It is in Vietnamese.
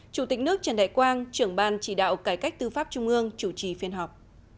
chủ tịch nước trần đại quang trưởng ban chỉ đạo cải cách tư pháp trung ương chủ trì phiên họp